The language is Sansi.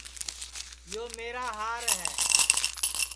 یو میرا ہار ہے